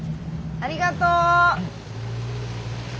ありがとう。